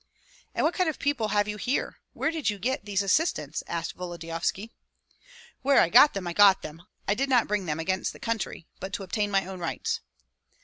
"And what kind of people have you here? Where did you get these assistants?" asked Volodyovski. "Where I got them I got them. I did not bring them against the country, but to obtain my own rights."